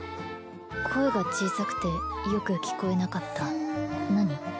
声が小さくてよく聞こえなかった何？